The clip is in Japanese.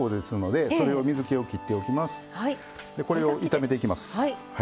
でこれを炒めていきます。